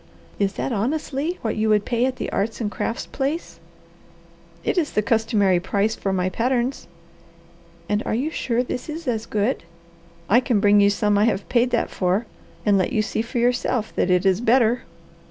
"Is that honestly what you would pay at the arts and crafts place?" "It is the customary price for my patterns." "And are you sure this is as good?" "I can bring you some I have paid that for, and let you see for yourself that it is better."